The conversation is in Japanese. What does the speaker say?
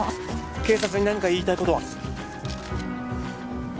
警察に何か言いたいことは？